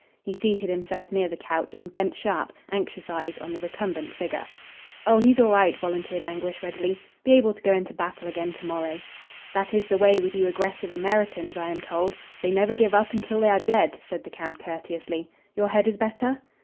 He seated himself near the couch and bent sharp, anxious eyes on the recumbent figure. "Oh, he's all right," volunteered Anguish, readily. "Be able to go into battle again tomorrow." "That is the way with you aggressive Americans. I am told. They never give up until they are dead," said the Count, courteously. "Your head is better?"